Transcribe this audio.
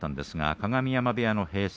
鏡山部屋の閉鎖。